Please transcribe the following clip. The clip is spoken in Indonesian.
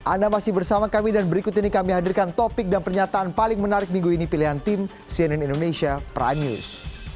anda masih bersama kami dan berikut ini kami hadirkan topik dan pernyataan paling menarik minggu ini pilihan tim cnn indonesia prime news